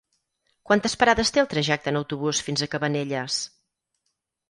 Quantes parades té el trajecte en autobús fins a Cabanelles?